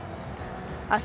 明日